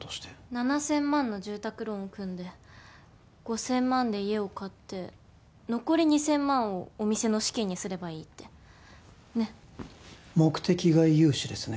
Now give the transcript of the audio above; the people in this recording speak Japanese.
７千万の住宅ローンを組んで５千万で家を買って残り２千万をお店の資金にすればいいってねっ目的外融資ですね